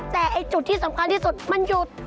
แต่จุดที่สำคัญที่สุดมันอยู่ตรงนี้